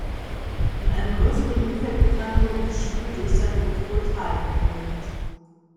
In einem größeren Umfeld bekannt wurde die Schule durch sein Photovoltaik-Projekt.